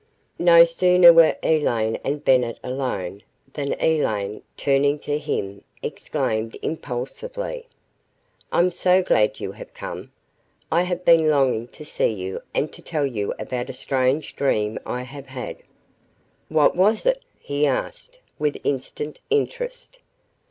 No sooner were Elaine and Bennett alone, than Elaine, turning to him, exclaimed impulsively, "I'm so glad you have come. I have been longing to see you and to tell you about a strange dream I have had." "What was it?" he asked, with instant interest.